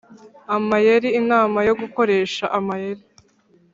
Amayeri inama yo gukoresha amayeri